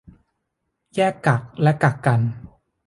แยกกักและกักกัน